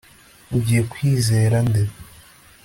Ugiye kwizera nde